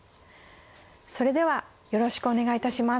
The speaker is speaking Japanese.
それではよろしくお願いいたします。